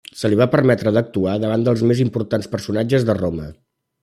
Se li va permetre d'actuar davant dels més importants personatges de Roma.